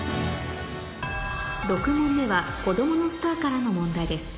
６問目はこどものスターからの問題です